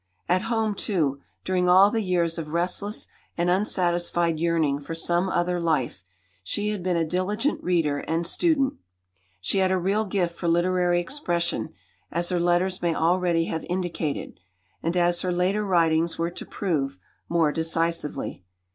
At home, too, during all the years of restless and unsatisfied yearning for some other life, she had been a diligent reader and student. She had a real gift for literary expression, as her letters may already have indicated, and as her later writings were to prove more decisively.